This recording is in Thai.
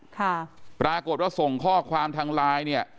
ค่ะปรากฏว่าส่งข้อความทางไลน์เนี่ย